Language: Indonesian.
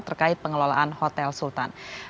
terkait pengelolaan hotel sultan